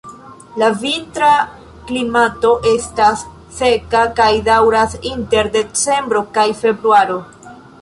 La vintra klimato estas seka kaj daŭras inter decembro kaj februaro.